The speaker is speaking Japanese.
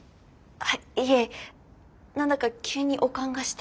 いえ何だか急に悪寒がして。